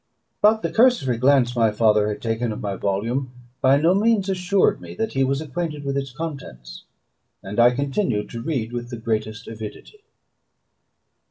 But the cursory glance my father had taken of my volume by no means assured me that he was acquainted with its contents; and I continued to read with the greatest avidity.